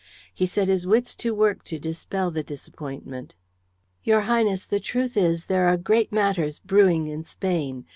He set his wits to work to dispel the disappointment. "Your Highness, the truth is there are great matters brewing in Spain.